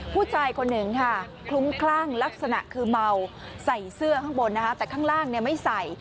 ผู้ชายคนหนึ่งค่ะคลุ้มคลั่งลักษณะคือเมาใส่เสื้อข้างบนนะคะแต่ข้างล่างไม่ใส่